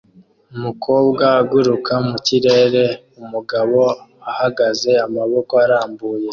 Umukobwa aguruka mu kirere umugabo ahagaze amaboko arambuye